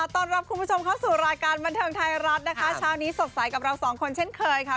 ต้อนรับคุณผู้ชมเข้าสู่รายการบันเทิงไทยรัฐนะคะเช้านี้สดใสกับเราสองคนเช่นเคยค่ะ